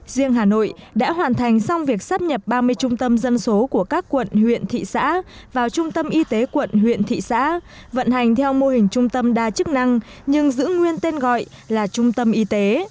riêng hà nội đã hoàn thành xong việc sắp nhập ba mươi trung tâm dân số của các quận huyện thị xã vào trung tâm y tế quận huyện thị xã vận hành theo mô hình trung tâm đa chức năng nhưng giữ nguyên tên gọi là trung tâm y tế